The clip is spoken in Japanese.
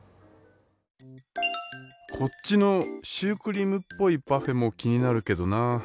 こっちのシュークリームっぽいパフェも気になるけどな。